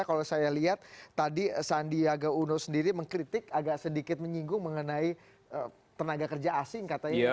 kalau saya lihat tadi sandiaga uno sendiri mengkritik agak sedikit menyinggung mengenai tenaga kerja asing katanya